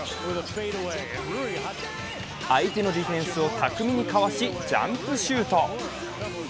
相手のディフェンスを巧みにかわしジャンプシュート。